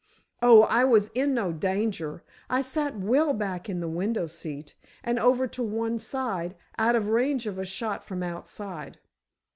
"Oh, I was in no danger. I sat well back in the window seat, and over to one side, out of range of a shot from outside.